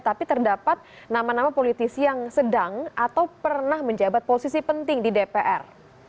tapi terdapat nama nama politisi yang sedang atau pernah menjabat posisi penting di dpr